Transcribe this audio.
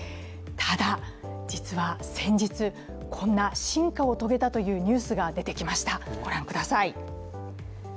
ただ、実は先日、こんな進化を遂げたというニュースが出てきました。